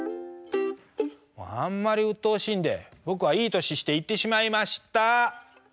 あんまりうっとうしいんで僕はいい年して言ってしまいました。